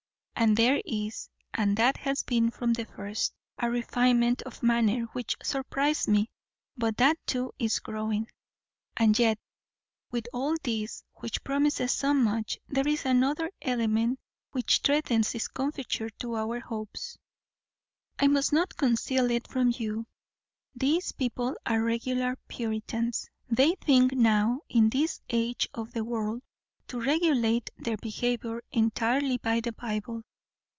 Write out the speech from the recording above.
and there is, and that has been from the first, a refinement of manner which surprised me, but that too is growing. And yet, with all this, which promises so much, there is another element which threatens discomfiture to our hopes. I must not conceal it from you. These people are regular Puritans. They think now, in this age of the world, to regulate their behaviour entirely by the Bible.